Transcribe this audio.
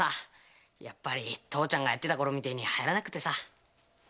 やっぱり父ちゃんがやってた頃みてえにはやらなくてさ。